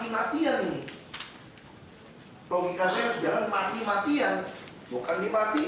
logika saya harus jalan mati matian bukan dimatiin